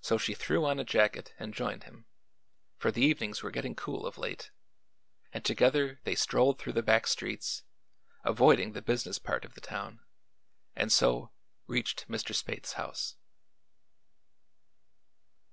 So she threw on a jacket and joined him, for the evenings were getting cool of late, and together they strolled through the back streets, avoiding the business part of the town, and so reached Mr. Spaythe's house.